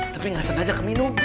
tapi ga sengaja keminum